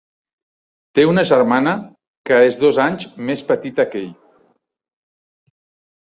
Té una germana, que és dos anys més petita que ell.